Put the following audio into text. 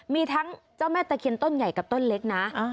มีทั้งเจ้าแม่ตะเคียนต้นใหญ่กับต้นเล็กนะ